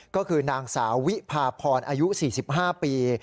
ก็คือนางสาววิพาพรอายุ๔๕ปี